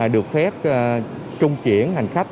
được phép trung chuyển hành khách